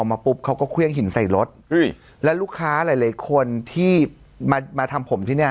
มาปุ๊บเขาก็เครื่องหินใส่รถอุ้ยแล้วลูกค้าหลายหลายคนที่มามาทำผมที่เนี้ย